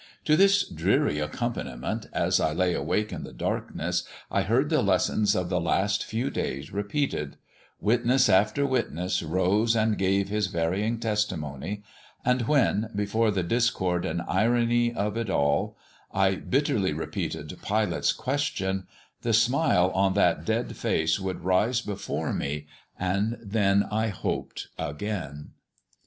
To this dreary accompaniment, as I lay awake in the darkness, I heard the lessons of the last few days repeated: witness after witness rose and gave his varying testimony; and when, before the discord and irony of it all, I bitterly repeated Pilate's question, the smile on that dead face would rise before me, and then I hoped again.